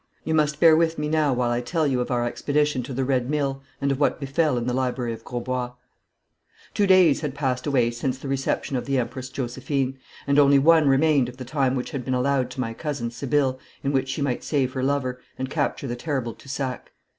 You must bear with me now while I tell you of our expedition to the Red Mill and of what befell in the library of Grosbois. Two days had passed away since the reception of the Empress Josephine, and only one remained of the time which had been allowed to my cousin Sibylle in which she might save her lover, and capture the terrible Toussac.